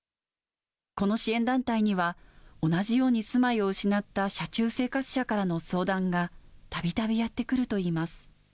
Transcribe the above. この支援団体には、同じように住まいを失った車中生活者からの相談がたびたびやってくるといいます。